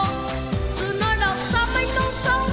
từ nơi đảo xa mây nông sông